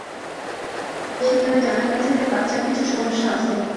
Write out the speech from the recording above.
সেখানে জানা গেছে যে বাচ্চার কিছু সমস্যা আছে।